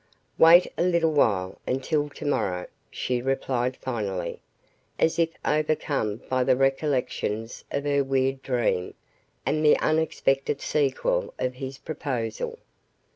"Wait a little while until to morrow," she replied finally, as if overcome by the recollections of her weird dream and the unexpected sequel of his proposal.